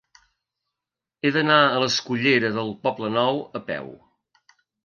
He d'anar a la escullera del Poblenou a peu.